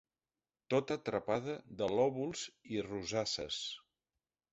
Tota trepada de lòbuls i rosasses